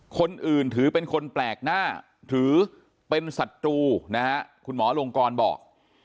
คนอื่นถือเป็นคนแปลกหน้าถือเป็นศัตรูนะฮะคุณหมอลงกรบอก